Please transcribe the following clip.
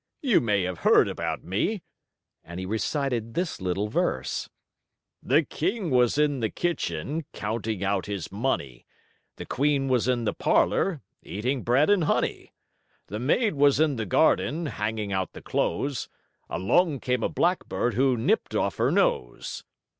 "You may have heard about me," and he recited this little verse: "The king was in the kitchen, Counting out his money; The queen was in the parlor, Eating bread and honey; The maid was in the garden, Hanging out the clothes, Along came a blackbird, Who nipped off her nose."